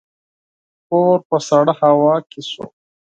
کور په سړه هوا کې شو.